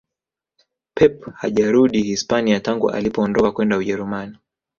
Pep hajarudi Hispania tangu alipoondoka kwenda ujerumani